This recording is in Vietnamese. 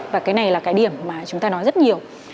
và cái này là cái điểm mà chúng ta nói rất nhiều